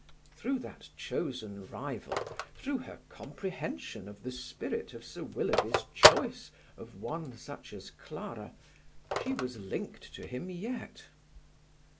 Through that chosen rival, through her comprehension of the spirit of Sir Willoughby's choice of one such as Clara, she was linked to him yet.